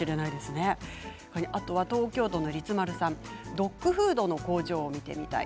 東京都の方はドッグフードの工場を見てみたい。